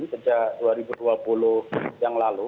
sejak dua ribu dua puluh yang lalu